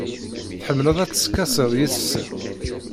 Tḥemmleḍ ad teskasiḍ yid-sen?